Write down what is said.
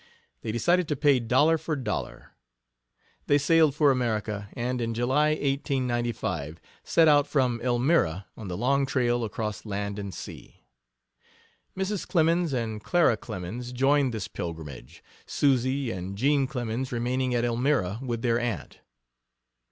They decided to pay dollar for dollar. They sailed for America, and in July, 1895, set out from Elmira on the long trail across land and sea. Mrs. Clemens, and Clara Clemens, joined this pilgrimage, Susy and Jean Clemens remaining at Elmira with their aunt.